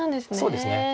そうですね。